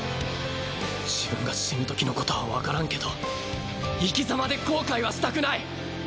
自分が死ぬ時のことは分からんけど生き様で後悔はしたくない。